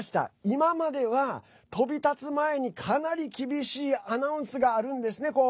今までは、飛び立つ前にかなり厳しいアナウンスがあるんですね。